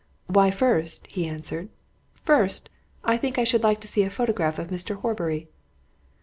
"Why, first," he answered, "first, I think I should like to see a photograph of Mr. Horbury."